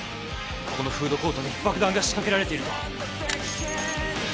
ここのフードコートに爆弾が仕掛けられていると。